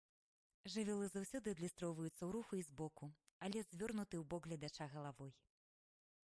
Жывёлы заўсёды адлюстроўваюцца ў руху і збоку, але з звернутай у бок гледача галавой.